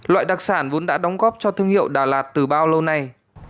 loại đặc sản vốn đã đóng góp cho thương hiệu đà lạt từ bao lâu nay